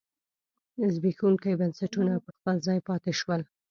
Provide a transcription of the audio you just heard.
زبېښونکي بنسټونه په خپل ځای پاتې شول.